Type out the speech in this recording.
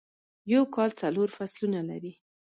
یوکال څلورفصلونه لري ..